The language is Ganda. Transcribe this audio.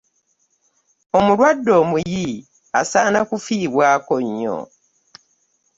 Omulwadde omuyi asaana kufiibwako nnyo.